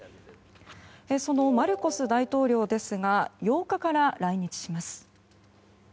そのマルコス大統領ですが８日から来日します。